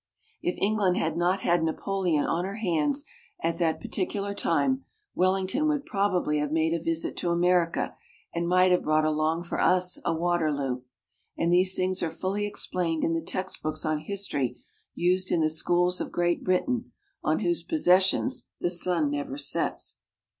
If England had not had Napoleon on her hands at that particular time, Wellington would probably have made a visit to America, and might have brought along for us a Waterloo. And these things are fully explained in the textbooks on history used in the schools of Great Britain, on whose possessions the sun never sets.